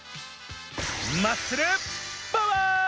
マッスル・パワー！